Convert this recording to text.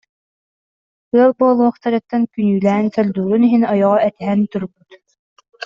Ыал буолуохтарыттан күнүүлээн сордуурун иһин ойоҕо этиһэн турбут